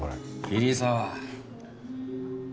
桐沢！